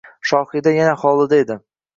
Shohida yana hovlida edi